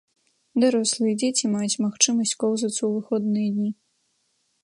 Дарослыя і дзеці маюць магчымасць коўзацца ў выходныя дні.